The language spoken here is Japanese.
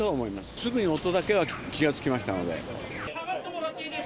すぐに音だけは気が付きましたので。